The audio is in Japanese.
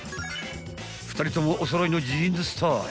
［２人ともお揃いのジーンズスタイル］